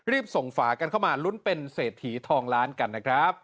รีบส่งฝากันเข้ามาลุ้นเป็นเศรษฐีทองล้านกันนะครับ